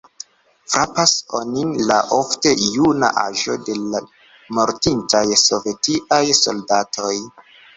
Frapas onin la ofte juna aĝo de la mortintaj sovetiaj soldatoj.